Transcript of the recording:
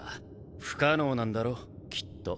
不可能なんだろきっと。